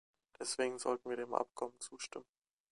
Deswegen sollten wir dem Abkommen zustimmen.